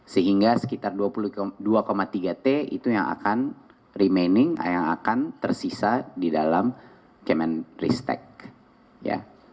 sehingga sekitar dua puluh dua tiga t itu yang akan remaining yang akan tersisa di dalam kemendikbud